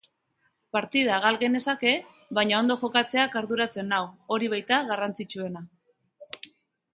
Partida gal genezake, baina ondo jokatzeak arduratzen nau, hori baita garrantzitsuena.